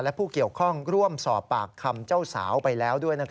และผู้เกี่ยวข้องร่วมสอบปากคำเจ้าสาวไปแล้วด้วย